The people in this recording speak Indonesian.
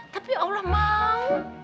tapi allah mau